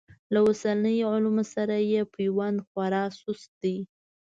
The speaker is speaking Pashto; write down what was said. له اوسنیو علومو سره یې پیوند خورا سست دی.